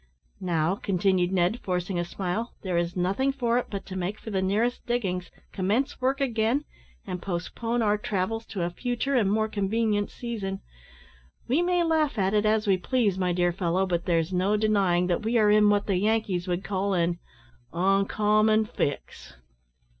"Now," continued Ned, forcing a smile, "there is nothing for it but to make for the nearest diggings, commence work again, and postpone our travels to a future and more convenient season. We may laugh at it as we please, my dear fellow, but there's no denying that we are in what the Yankees would call an `oncommon fix.'"